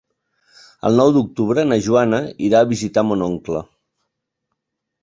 El nou d'octubre na Joana irà a visitar mon oncle.